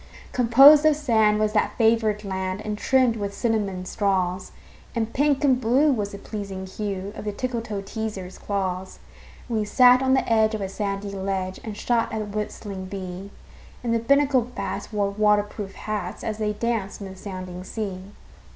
Composed of sand was that favored land, And trimmed with cinnamon straws; And pink and blue was the pleasing hue Of the Tickletoeteaser's claws. And we sat on the edge of a sandy ledge And shot at the whistling bee; And the Binnacle bats wore water proof hats As they danced in the sounding sea.